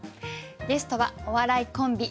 ゲストはお笑いコンビ